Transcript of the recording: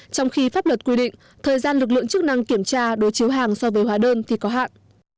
trong khi pháp luật quy định thời gian lực lượng chức năng kiểm tra đối chiếu hàng so với hóa đơn thì có hạn